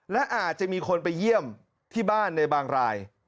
และอาจจะมีคนไปเยี่ยมที่บ้านในบางราย